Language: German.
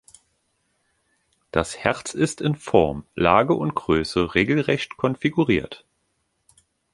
Das Herz ist in Form, Lage und Größe regelrecht konfiguriert.